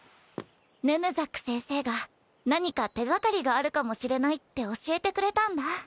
ヌヌザック先生が何か手がかりがあるかもしれないって教えてくれたんだ。